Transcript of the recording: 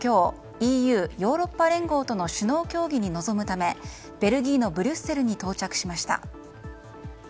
ＥＵ・ヨーロッパ連合との首脳協議に臨むためベルギーのブリュッセルに到着しました。